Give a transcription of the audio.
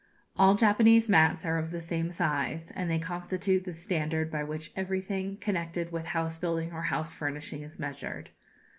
All Japanese mats are of the same size, and they constitute the standard by which everything connected with house building or house furnishing is measured.